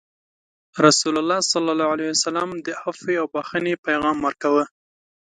رسول الله صلى الله عليه وسلم د عفوې او بخښنې پیغام ورکوه.